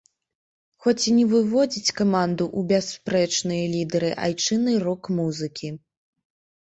Хоць і не выводзіць каманду ў бясспрэчныя лідары айчыннай рок-музыкі.